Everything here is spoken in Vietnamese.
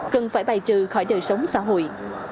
cần phải bài trừ khỏi đời sống xã hội